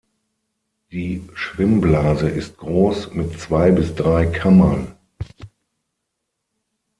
Die Schwimmblase ist groß, mit zwei bis drei Kammern.